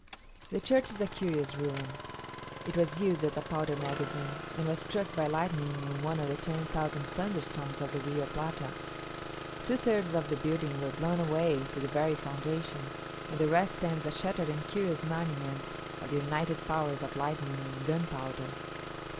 The church is a curious ruin; it was used as a powder magazine, and was struck by lightning in one of the ten thousand thunderstorms of the Rio Plata. Two thirds of the building were blown away to the very foundation; and the rest stands a shattered and curious monument of the united powers of lightning and gunpowder.